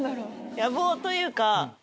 野望というか。